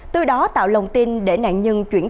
từ đó tạo lồng tin để nạn nhân